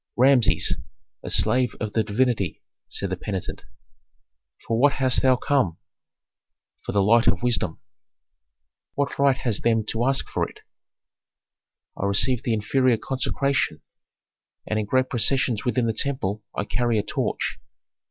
"Rameses, a slave of the divinity," said the penitent. "For what hast thou come?" "For the light of wisdom." "What right hast them to ask for it?" "I received the inferior consecration, and in great processions within the temple I carry a torch."